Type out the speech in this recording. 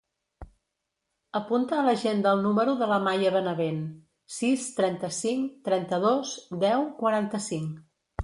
Apunta a l'agenda el número de la Maya Benavent: sis, trenta-cinc, trenta-dos, deu, quaranta-cinc.